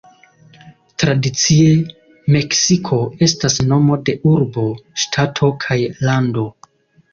Tradicie, "Meksiko" estas nomo de urbo, ŝtato, kaj lando.